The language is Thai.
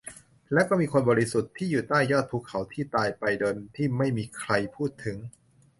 และก็มีคนบริสุทธิ์ที่อยู่ใต้ยอดภูเขาที่ตายไปโดยที่ไม่มีใครพูดถึง